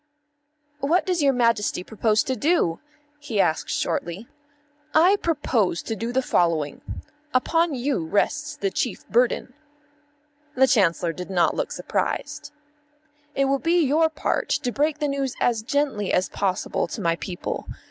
"What does your Majesty propose to do?" he asked shortly. "I propose to do the following. Upon you rests the chief burden." The Chancellor did not look surprised. "It will be your part to break the news as gently as possible to my people.